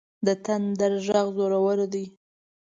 د تندر غږ زورور وي.